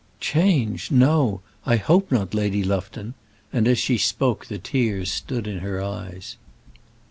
"Change! no, I hope not, Lady Lufton;" and as she spoke the tears stood in her eyes.